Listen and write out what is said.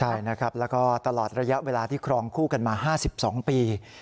ใช่นะครับแล้วก็ตลอดระยะเวลาที่ครองคู่กันมา๕๒ปี